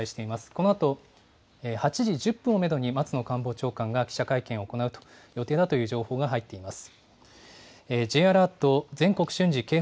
このあと８時１０分をメドに、松野官房長官が記者会見を行う予定だという情報が入っています。